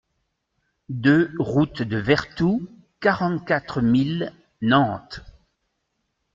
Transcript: deux route de Vertou, quarante-quatre mille Nantes